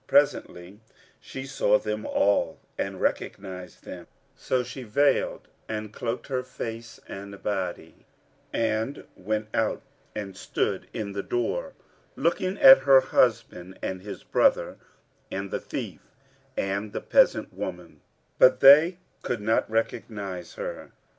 Presently she saw them all and recognized them; so she veiled and cloaked face and body and went out and stood in the door, looking at her husband and his brother and the thief and the peasant woman; but they could not recognize her.